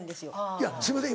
いやすいません